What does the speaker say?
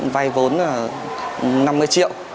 vay vốn năm mươi triệu